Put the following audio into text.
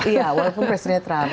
iya walaupun presidennya trump